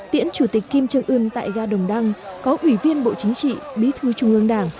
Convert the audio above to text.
tiễn chủ tịch kim trương ưn tại ga đồng đăng có ủy viên bộ chính trị bí thư trung ương đảng